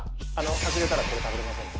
外れたらこれ食べれませんので。